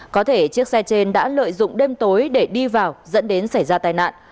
có thể chiếc xe trên đã lợi dụng đêm tối để đi vào dẫn đến xảy ra tai nạn